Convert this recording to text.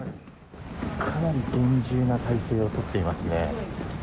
かなり厳重な体制を取っていますね。